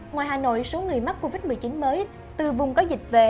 ngoài hà nội số người mắc covid một mươi chín mới từ vùng có dịch về